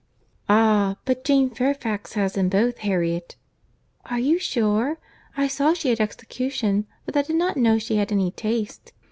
"Ah! but Jane Fairfax has them both, Harriet." "Are you sure? I saw she had execution, but I did not know she had any taste.